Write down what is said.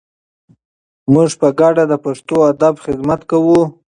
موږ په ګډه د پښتو ادب خدمت کوو.